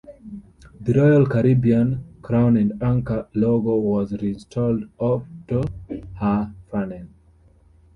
The Royal Caribbean "Crown and Anchor" logo was reinstalled onto her funnel.